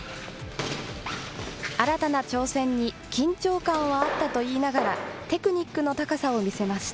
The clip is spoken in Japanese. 新たな挑戦に緊張感はあったと言いながら、テクニックの高さを見せました。